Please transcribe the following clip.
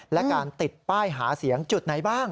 และการติดป้ายหาเสียงจุดไหนบ้าง